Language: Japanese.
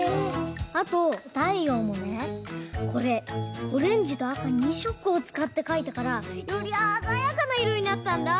あとたいようもねこれオレンジとあか２しょくをつかってかいたからよりあざやかないろになったんだ！